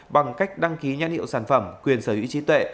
bằng cách đăng ký nhãn hiệu sản phẩm quyền sở hữu trí tuệ